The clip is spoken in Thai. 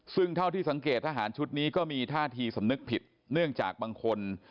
ซึ่งเท่าที่สังเกตทหารชุดนี้ก็มีท่าทีสำนึกผิดเนื่องจากบางคน